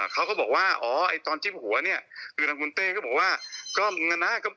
เขาก็บอกว่าตอนจิ้มหัวเนี่ยคือนางคุณเต้ก็บอกว่า